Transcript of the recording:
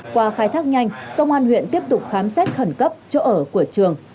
qua khai thác nhanh công an huyện tiếp tục khám xét khẩn cấp chỗ ở của trường